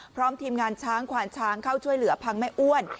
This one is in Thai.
พร้อมทีมงานช้างขวานช้างเข้าช่วยเหลือพังแม่อ้วน